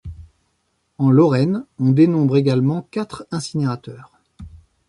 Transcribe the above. En Lorraine, on dénombre également quatre incinérateurs.